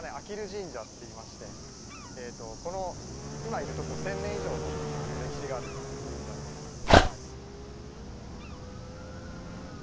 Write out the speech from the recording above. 神社っていいまして１，０００年以上の歴史がある神社です。